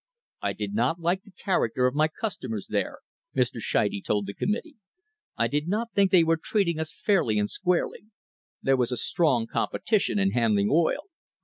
"I did not like the character of my customers there," Mr. Scheide told the committee. "I did not think they were treating us fairly and squarely. There was a strong competition in handling oil.